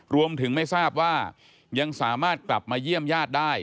รวมถึงไม่ทราบว่ายังสามารถกลับมาเยี่ยมญาติได้